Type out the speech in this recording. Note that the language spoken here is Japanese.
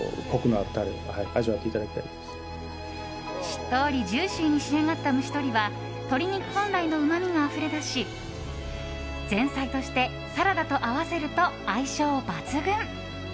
しっとりジューシーに仕上がった蒸し鶏は鶏肉本来のうまみがあふれ出し前菜としてサラダと合わせると相性抜群。